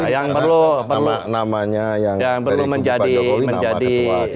yang perlu menjadi